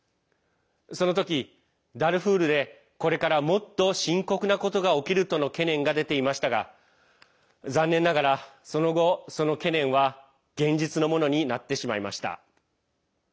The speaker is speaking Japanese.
その時、ダルフールで、これからもっと深刻なことが起きるとの懸念が出ていましたが残念ながら、その後その懸念は現実のものになってしまいました。